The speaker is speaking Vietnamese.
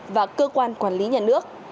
và cơ quan quản lý nhà nước